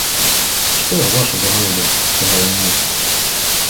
– Что, ваше благородие? – сказал он мне.